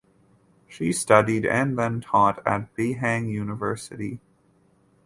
She studied and then taught at Beihang University.